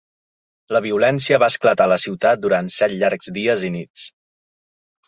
La violència va esclatar a la ciutat durant set llargs dies i nits.